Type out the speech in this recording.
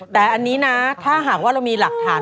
แต่อันนี้นะถ้าหากว่าเรามีหลักฐาน